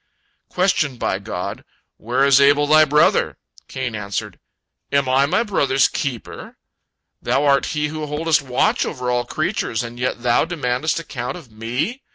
Questioned by God, "Where is Abel thy brother?" Cain answered: "Am I my brother's keeper? Thou art He who holdest watch over all creatures, and yet Thou demandest account of me!